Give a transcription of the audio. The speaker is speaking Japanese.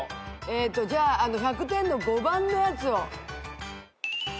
じゃあ１００点の５番のやつを。